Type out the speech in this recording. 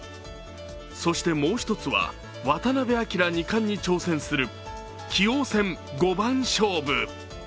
そして、もう一つは渡辺明二冠に挑戦する棋王戦五番勝負。